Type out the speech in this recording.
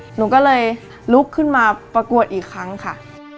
หนูก็เลยลุกขึ้นมาประกวดอีกครั้งค่ะ